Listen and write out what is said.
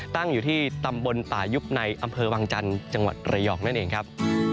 ตั้งอยู่ที่ตำบลป่ายุบในอำเภอวังจันทร์จังหวัดระยองนั่นเองครับ